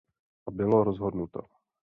A bylo rozhodnuto.